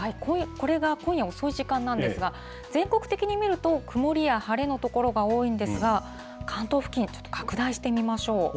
これが今夜遅い時間なんですが、全国的に見ると、曇りや晴れの所が多いんですが、関東付近、ちょっと拡大して見ましょう。